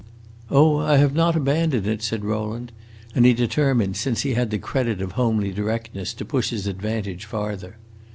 "Oh, I have not abandoned it!" said Rowland; and he determined, since he had the credit of homely directness, to push his advantage farther.